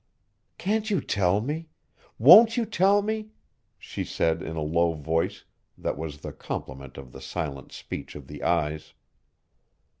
"Can't you tell me won't you tell me?" she said in a low tone that was the complement of the silent speech of the eyes.